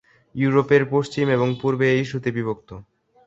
ইউরোপের পশ্চিম এবং পুর্বে এই ইস্যুতে বিভক্ত।